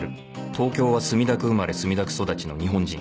東京は墨田区生まれ墨田区育ちの日本人